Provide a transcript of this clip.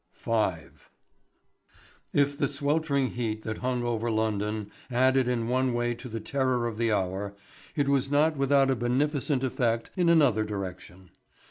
V. If the sweltering heat that hung over London added in one way to the terror of the hour, it was not without a beneficent effect in another direction.